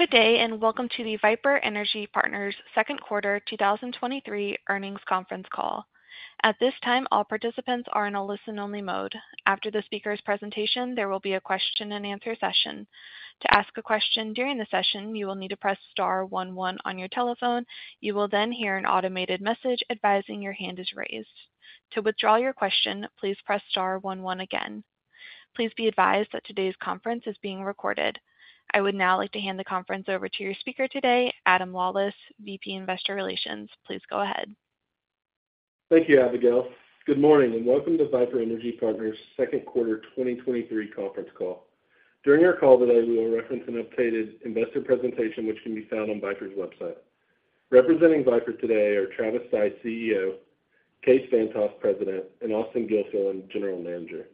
Good day, and welcome to the Viper Energy Partners Q2 2023 Earnings Conference Call. At this time, all participants are in a listen-only mode. After the speaker's presentation, there will be a Q&A session. To ask a question during the session, you will need to press star one one on your telephone. You will then hear an automated message advising your hand is raised. To withdraw your question, please press star one one again. Please be advised that today's conference is being recorded. I would now like to hand the conference over to your speaker today, Adam Lawlis, VP Investor Relations. Please go ahead. Thank you, Abigail. Good morning, and welcome to Viper Energy Partners Q2 2023 Conference Call. During our call today, we will reference an updated investor presentation, which can be found on Viper's website. Representing Viper today are Travis Stice, CEO, Kaes Van't Hof, President, and Austen Gilfillan, General Manager.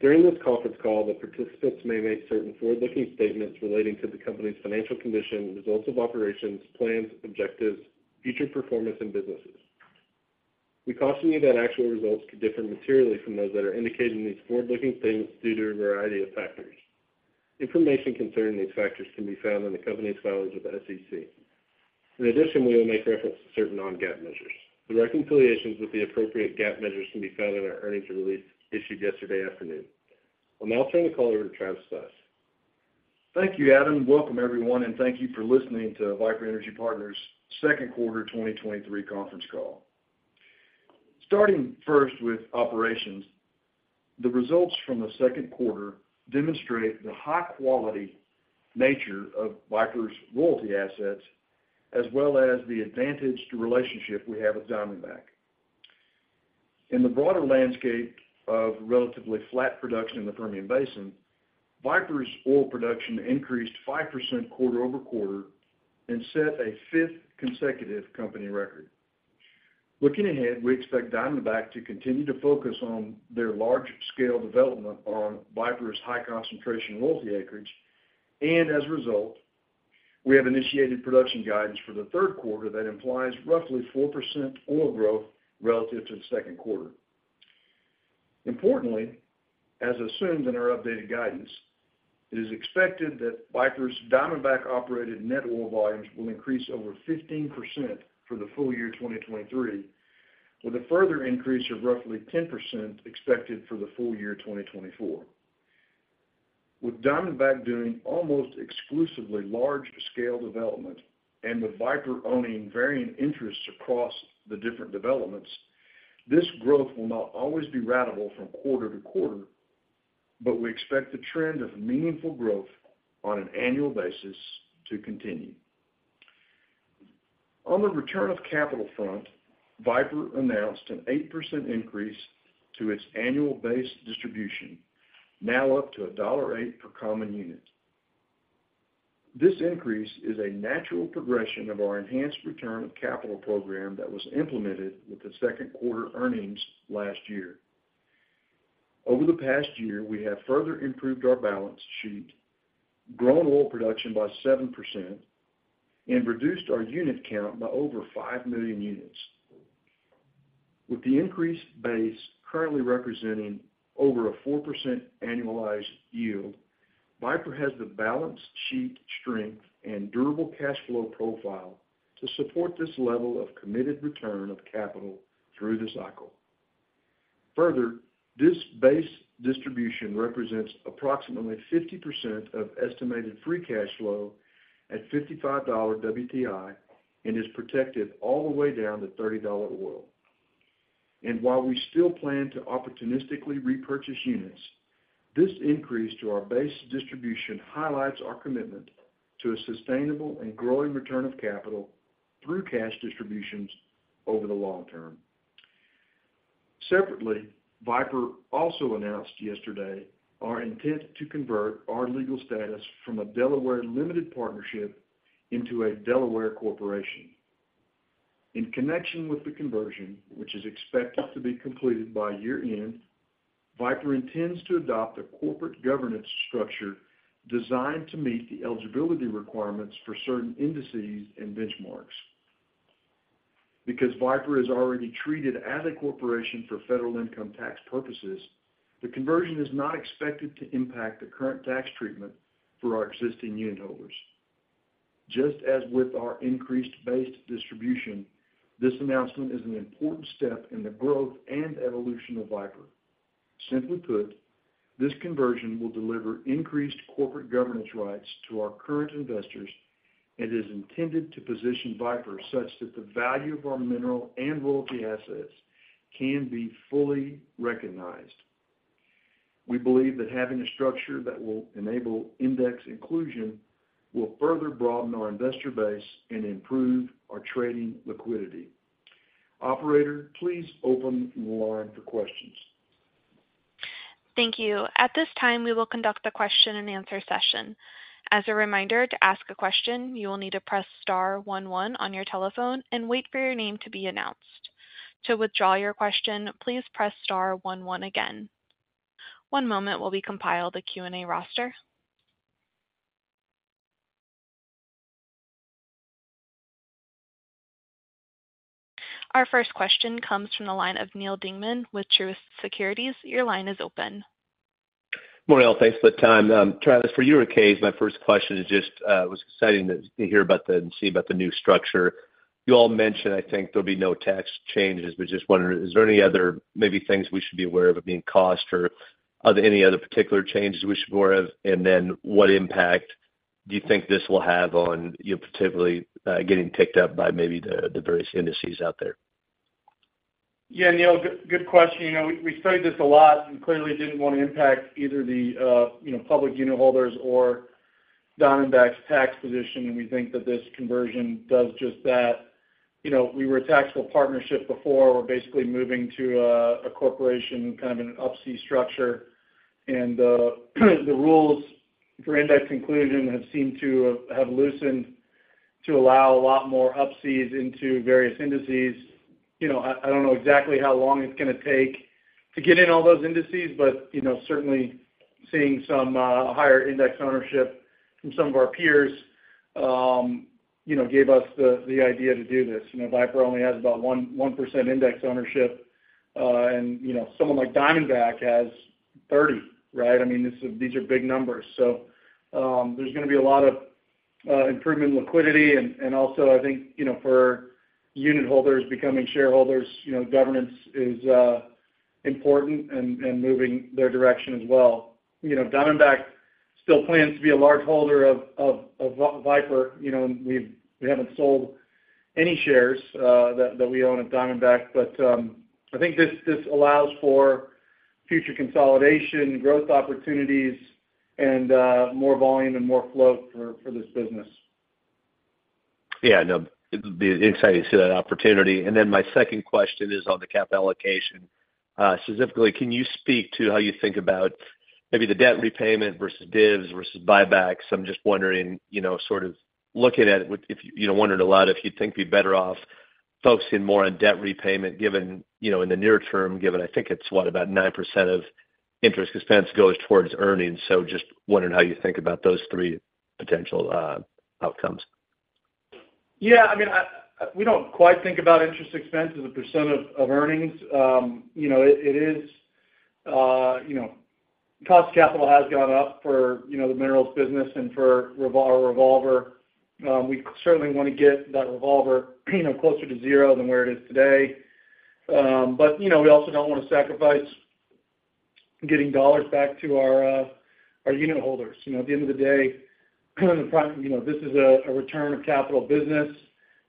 During this conference call, the participants may make certain forward-looking statements relating to the company's financial condition, results of operations, plans, objectives, future performance, and businesses. We caution you that actual results could differ materially from those that are indicated in these forward-looking statements due to a variety of factors. Information concerning these factors can be found in the company's filings with the SEC. In addition, we will make reference to certain non-GAAP measures. The reconciliations with the appropriate GAAP measures can be found in our earnings release issued yesterday afternoon. I'll now turn the call over to Travis Stice. Thank you, Adam. Welcome, everyone, thank you for listening to Viper Energy Partners' Q2 2023 conference call. Starting first with operations, the results from the Q2 demonstrate the high-quality nature of Viper's royalty assets, as well as the advantage to relationship we have with Diamondback. In the broader landscape of relatively flat production in the Permian Basin, Viper's oil production increased 5% quarter-over-quarter and set a fifth consecutive company record. Looking ahead, we expect Diamondback to continue to focus on their large-scale development on Viper's high concentration royalty acreage, as a result, we have initiated production guidance for the Q3 that implies roughly 4% oil growth relative to the Q2. Importantly, as assumed in our updated guidance, it is expected that Viper's Diamondback-operated net oil volumes will increase over 15% for the full year 2023, with a further increase of roughly 10% expected for the full year 2024. With Diamondback doing almost exclusively large-scale development and with Viper owning varying interests across the different developments, this growth will not always be ratable from quarter-to-quarter, but we expect the trend of meaningful growth on an annual basis to continue. On the return of capital front, Viper announced an 8% increase to its annual base distribution, now up to $1.80 per common unit. This increase is a natural progression of our enhanced return of capital program that was implemented with the Q2 earnings last year. Over the past year, we have further improved our balance sheet, grown oil production by 7%, and reduced our unit count by over five million units. With the increased base currently representing over a 4% annualized yield, Viper has the balance sheet strength and durable cash flow profile to support this level of committed return of capital through the cycle. This base distribution represents approximately 50% of estimated free cash flow at $55 WTI and is protected all the way down to $30 oil. While we still plan to opportunistically repurchase units, this increase to our base distribution highlights our commitment to a sustainable and growing return of capital through cash distributions over the long term. Viper also announced yesterday our intent to convert our legal status from a Delaware Limited Partnership into a Delaware Corporation. In connection with the conversion, which is expected to be completed by year-end, Viper intends to adopt a corporate governance structure designed to meet the eligibility requirements for certain indices and benchmarks. Because Viper is already treated as a corporation for federal income tax purposes, the conversion is not expected to impact the current tax treatment for our existing unitholders. Just as with our increased base distribution, this announcement is an important step in the growth and evolution of Viper. Simply put, this conversion will deliver increased corporate governance rights to our current investors and is intended to position Viper such that the value of our mineral and royalty assets can be fully recognized. We believe that having a structure that will enable index inclusion will further broaden our investor base and improve our trading liquidity. Operator, please open the line for questions. Thank you. At this time, we will conduct the Q&A session. As a reminder, to ask a question, you will need to press star one one on your telephone and wait for your name to be announced. To withdraw your question, please press star one one again. One moment while we compile the Q&A roster. Our first question comes from the line of Neal Dingmann with Truist Securities. Your line is open. Morning all. Thanks for the time. Travis, for you or Kaes, my first question is just, it was exciting to, to hear about the, and see about the new structure. You all mentioned, I think, there'll be no tax changes, just wondering, is there any other maybe things we should be aware of, it being cost or are there any other particular changes we should be aware of? Then, what impact do you think this will have on you, particularly getting picked up by maybe the, the various indices out there? Yeah, Neal, good, good question. You know, we, we studied this a lot and clearly didn't want to impact either the, you know, public unitholders or Diamondback's tax position, and we think that this conversion does just that. You know, we were a taxable partnership before. We're basically moving to a, a corporation, kind of an Up-C structure. The rules for index inclusion have seemed to have loosened to allow a lot more Up-Cs into various indices. You know, I, I don't know exactly how long it's gonna take to get in all those indices, but, you know, certainly seeing some higher index ownership from some of our peers, you know, gave us the, the idea to do this. You know, Viper only has about 1% index ownership, and, you know, someone like Diamondback has 30%, right? I mean, These are big numbers. There's gonna be a lot of improvement in liquidity, and also I think, you know, for unitholders becoming shareholders, you know, governance is important and moving their direction as well. You know, Diamondback still plans to be a large holder of Viper. You know, we haven't sold any shares that we own at Diamondback, but I think this allows for future consolidation, growth opportunities, and more volume and more flow for this business. Yeah, no, it'll be exciting to see that opportunity. My second question is on the CAP allocation. Specifically, can you speak to how you think about maybe the debt repayment versus dividends versus buybacks? I'm just wondering, you know, sort of looking at it with if, you know, wondering a lot, if you think be better off focusing more on debt repayment, given, you know, in the near term, given I think it's, what, about 9% of interest expense goes towards earnings? Just wondering how you think about those three potential outcomes? Yeah, I mean, I, we don't quite think about interest expense as a percent of, of earnings. You know, it, it is, you know, cost of capital has gone up for, you know, the minerals business and for our revolver. We certainly want to get that revolver, you know, closer to zero than where it is today. You know, we also don't want to sacrifice getting dollars back to our, our unitholders. You know, at the end of the day, you know, this is a, a return of capital business.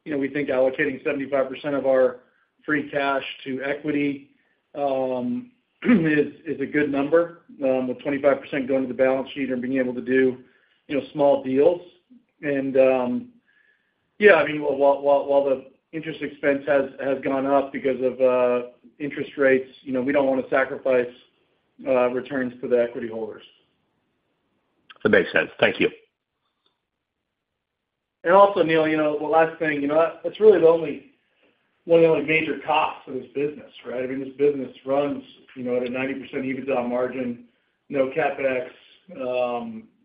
You know, we think allocating 75% of our free cash to equity, is, is a good number, with 25% going to the balance sheet and being able to do, you know, small deals. Yeah, I mean, while, while, while the interest expense has, has gone up because of interest rates, you know, we don't want to sacrifice returns for the equity holders. That makes sense. Thank you. Neal, you know, the last thing, you know, that's really the only, one of the only major costs of this business, right? I mean, this business runs, you know, at a 90% EBITDA margin, no CapEx.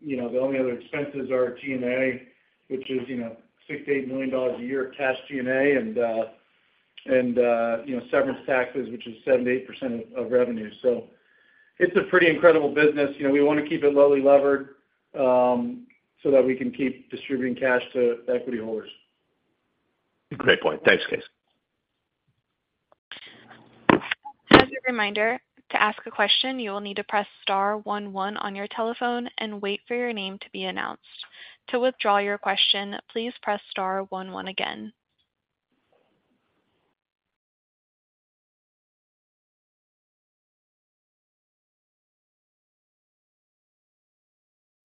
you know, the only other expenses are G&A, which is, you know, $6 million to 8 million a year of cash G&A, and, you know, severance taxes, which is 7% to 8% of, of revenue. It's a pretty incredible business. You know, we wanna keep it lowly levered, so that we can keep distributing cash to equity holders. Great point. Thanks, Kaes. As a reminder, to ask a question, you will need to press star one one on your telephone and wait for your name to be announced. To withdraw your question, please press star one one again.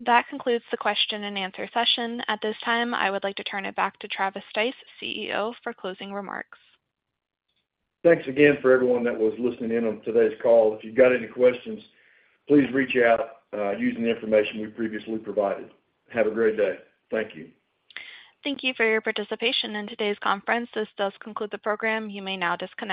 That concludes the Q&A session. At this time, I would like to turn it back to Travis Stice, CEO, for closing remarks. Thanks again for everyone that was listening in on today's call. If you've got any questions, please reach out, using the information we previously provided. Have a great day. Thank you. Thank you for your participation in today's conference. This does conclude the program. You may now disconnect.